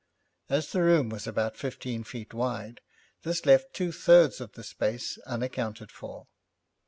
As the room was about fifteen feet wide, this left two thirds of the space unaccounted for.